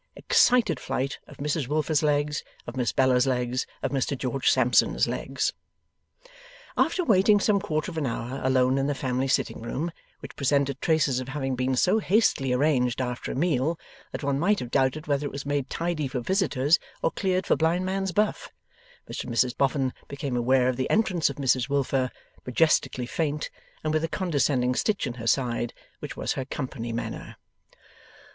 Excited flight of Mrs Wilfer's legs, of Miss Bella's legs, of Mr George Sampson's legs. After waiting some quarter of an hour alone in the family sitting room, which presented traces of having been so hastily arranged after a meal, that one might have doubted whether it was made tidy for visitors, or cleared for blindman's buff, Mr and Mrs Boffin became aware of the entrance of Mrs Wilfer, majestically faint, and with a condescending stitch in her side: which was her company manner.